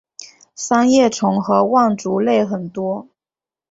三叶虫和腕足类很多。